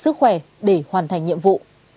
đủ sức khỏe để hoàn thành nhiệm vụ